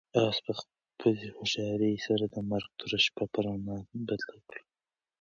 آس په خپلې هوښیارۍ سره د مرګ توره شپه په رڼا بدله کړه.